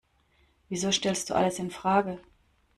Wieso stellst du alles infrage?